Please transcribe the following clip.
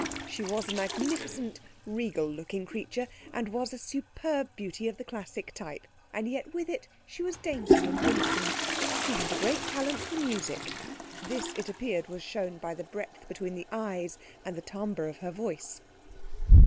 She was a magnificent, regal looking creature and was a superb beauty of the classic type, and yet with it she was dainty and winsome. She had great talent for music. This, it appeared, was shown by the breadth between the eyes and the timbre of her voice.